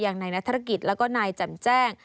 อย่างนายนัฐรกิจแล้วก็นายแจ่มแจ้ง